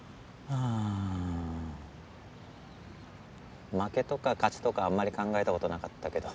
うん負けとか勝ちとかあんまり考えた事なかったけど。